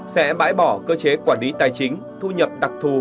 sẽ bãi bỏ cơ chế quản lý tài chính thu nhập đặc thù